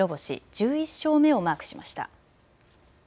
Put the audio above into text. １１勝目をマークしました。